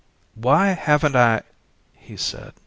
"Why, haven't I ?" he said.